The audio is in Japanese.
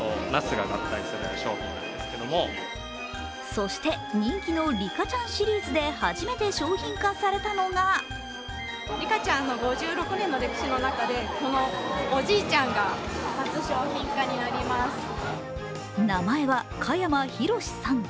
そして人気のリカちゃんシリーズで初めて商品化されたのが名前は香山浩さん。